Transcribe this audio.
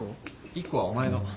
１個はお前の。